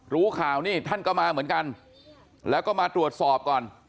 รู้ข่าวนี่ท่านก็มาเหมือนกันแล้วก็มาตรวจสอบก่อน